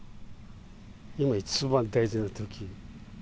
今、一番大事なとき。